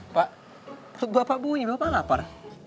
pak bapak bunyi bapak lapar